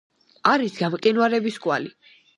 არის გამყინვარების კვალი.